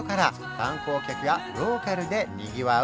観光客やローカルでにぎわう